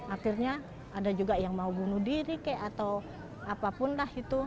akhirnya ada juga yang mau bunuh diri kek atau apapun lah itu